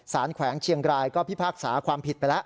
แขวงเชียงรายก็พิพากษาความผิดไปแล้ว